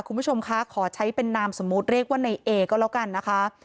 คุณผู้ชมคะขอใช้เป็นนามสมมุติเรียกว่าในเอก็แล้วกันนะคะ